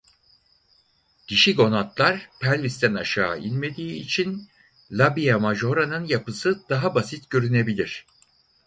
Dişi gonadlar pelvisten aşağı inmediği için labia majoranın yapısı daha basit görünebilir.